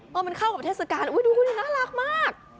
มันเข้ากับเทศกาลดูนี่น่ารักมาก